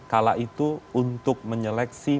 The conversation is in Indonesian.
kala itu untuk menyeleksi